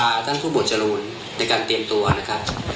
สำคัญด้วยสำหรับคณิกนี้อะคะเป็นตัวชี้เลย